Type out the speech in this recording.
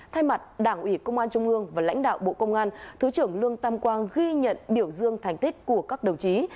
thay mặt đảng ủy công an trung ương và lãnh đạo bộ công an thứ trưởng lương tam quang ghi nhận biểu dương thành tích của các đồng chí